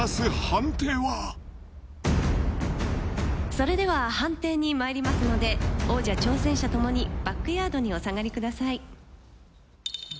それでは判定にまいりますので王者挑戦者ともにバックヤードにお下がりください。